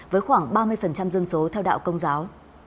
với khoảng ba mươi dân số theo đạo công giáo